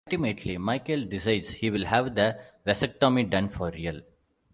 Ultimately, Michael decides he will have the vasectomy done for real.